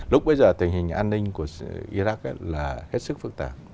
lúc bây giờ tình hình an ninh của iraq là hết sức phức tạp